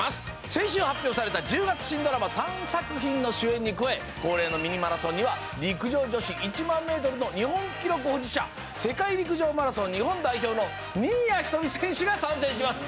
先週発表された１０月新ドラマ３作品の主演に加え恒例のミニマラソンには陸上女子１００００メートルの世界陸上マラソン日本代表の新谷仁美選手が参戦します。